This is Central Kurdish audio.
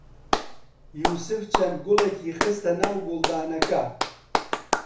یووسف چەند گوڵێکی خستە ناو گوڵدانەکە.